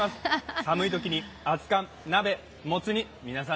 寒いときに熱かん、鍋、もつ煮、皆さん